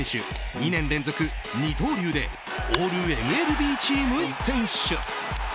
２年連続二刀流でオールＭＬＢチーム選出。